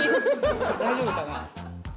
大丈夫かな？